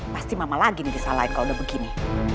pasti mama lagi nih disalahin kalau udah begini